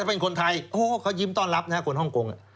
ถ้าเป็นคนไทยโอ้เขายิ้มต้อนรับนะครับคนฮ่องกง